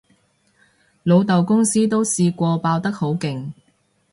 老豆公司都試過爆得好勁